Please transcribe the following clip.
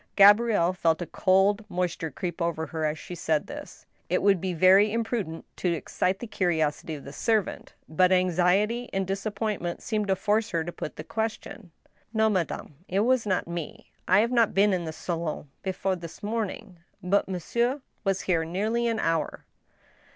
" Gabrielle felt a cold moisture creep over her as she said this. It« would be very imprudent to excite the curiosity of the servant ; but anxiety and disappointment seemed to force her to put the question. " No, madame ; it was not me. I have not been in the salon be fore this morning, but monsieur was here nearly an hour."